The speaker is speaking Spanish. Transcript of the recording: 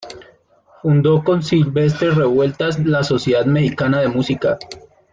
Fundó con Silvestre Revueltas la Sociedad Mexicana de Música.